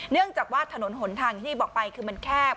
เนื่องจากว่าถนนหนทางที่บอกไปคือมันแคบ